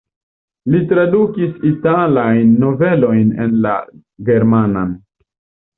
Li tradukis italajn novelojn en la germanan.